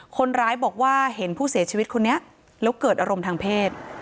คนร้ายบอกว่าเห็นผู้เสียชีวิตคนนี้แล้วเกิดอารมณ์ทางเพศ